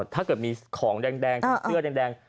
ถ้าเกิดมีของแดงเสื้อแดง